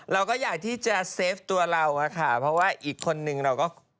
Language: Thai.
เราก็อยากที่จะเซฟตัวเราอะค่ะเพราะว่าอีกคนนึงเราก็